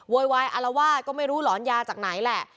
วายอารวาสก็ไม่รู้หลอนยาจากไหนแหละ